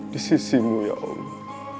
di sisimu ya allah